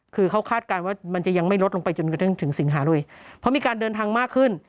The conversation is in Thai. คือเขาคาดการณ์ว่ามันจะยังไม่ลดลงไปจนกระทั่งถึงสิงหาด้วยเพราะมีการเดินทางมากขึ้น